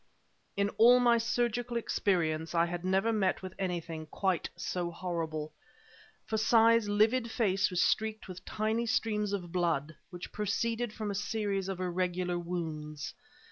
In all my surgical experience I had never met with anything quite so horrible. Forsyth's livid face was streaked with tiny streams of blood, which proceeded from a series of irregular wounds.